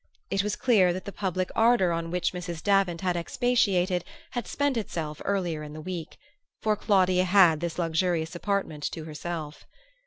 It was clear that the public ardor on which Mrs. Davant had expatiated had spent itself earlier in the week; for Claudia had this luxurious apartment to herself.